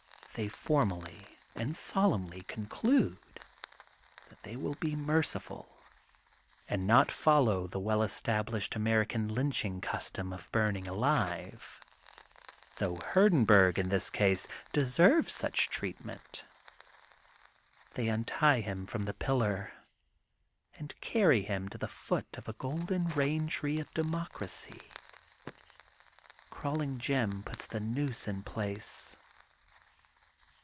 They form ally and solemnly conclude that they will be merciful and not follow the well established American lynching custom of burning alive, though Hurdenburg, in this case, deserves such treatment. They untie him from the pil lar, and carry him to the foot of a Golden Bain Tree of Democracy! Crawling Jim puts the noose in place.